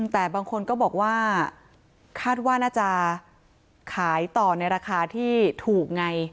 แต่บางคนก็บอกว่าคาดว่าน่าจะขายต่อในราคาที่ถูกไง